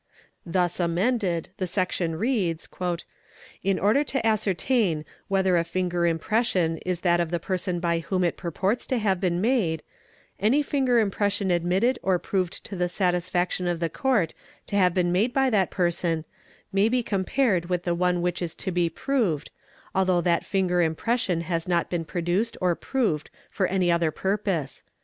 Thus amended the section wveads; ''In order to ascertain whether a finger impression is that of the person by whom it purports to have been made, any finger impression admitted or proved to the satisfaction of the Court to have been made by that person may be compared with the one which is to be proved, although that finger impression has not been produced or proved for any other purpose.